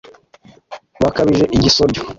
Bakabije igisoryo*,